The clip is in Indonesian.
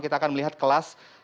kita akan melihat kelas